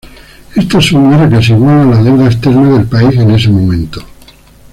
Esta suma era casi igual a la deuda externa del país en ese momento.